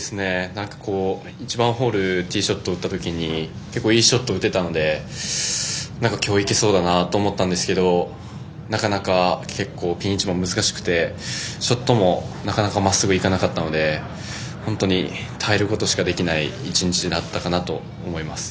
１番ホールティーショットを打った時に結構いいショットを打てたので今日、いけそうだなと思ったんですけどなかなか結構ピン位置も難しくてショットもなかなかまっすぐ行かなかったので本当に耐えることしかできない１日になったかなと思います。